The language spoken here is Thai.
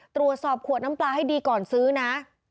ตรวจสอบขวดน้ำปลาให้ดีก่อนซื้อนะ